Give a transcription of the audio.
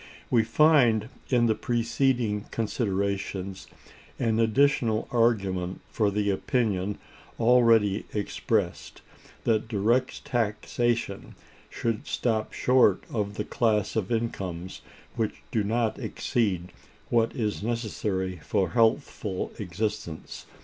We find in the preceding considerations an additional argument for the opinion, already expressed, that direct taxation should stop short of the class of incomes which do not exceed what is necessary for healthful existence.